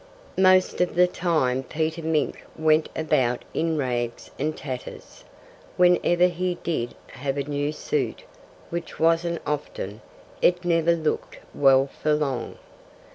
Most of the time Peter Mink went about in rags and tatters. Whenever he did have a new suit (which wasn't often) it never looked well for long.